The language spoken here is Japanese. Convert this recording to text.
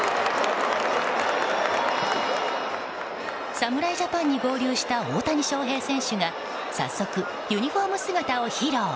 侍ジャパンに合流した大谷翔平選手が早速、ユニホーム姿を披露。